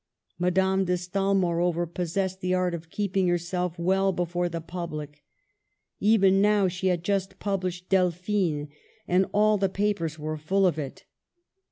Madame de Stael, moreover, possessed the art of keeping herself well before the public. Even now she had just published Delphine^ and all the papers were full of it.